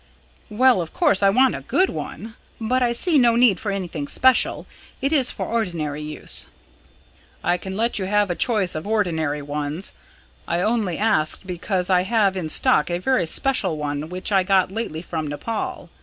"Well, of course I want a good one. But I see no need for anything special. It is for ordinary use." "I can let you have a choice of ordinary ones. I only asked, because I have in stock a very special one which I got lately from Nepaul.